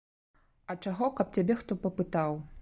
А чаго, каб цябе хто папытаў.